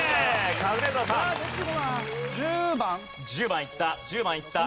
１０番いった１０番いった。